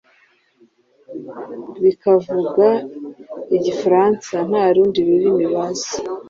bikavuga Igifaransa, ntarundi rurimi bazi